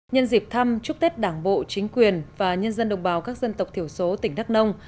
nhân dịp thăm chúc tết đảng bộ chính quyền và nhân dân đồng bào các dân tộc thiểu số tỉnh đắk nông